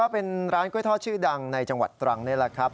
เป็นร้านกล้วยทอดชื่อดังในจังหวัดตรังนั้น